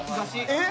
えっ？